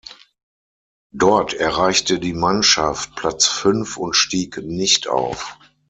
Dort erreichte die Mannschaft Platz fünf und stieg nicht auf.